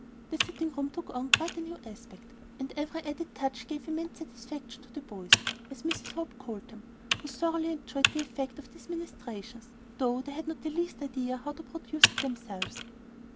The sitting room took on quite a new aspect, and every added touch gave immense satisfaction to "the boys," as Mrs. Hope called them, who thoroughly enjoyed the effect of these ministrations, though they had not the least idea how to produce it themselves.